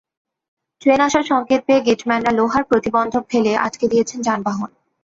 Train আসার সংকেত পেয়ে গেটম্যানরা লোহার প্রতিবন্ধক ফেলে আটকে দিয়েছেন যানবাহন।